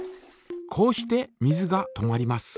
こうして水が止まります。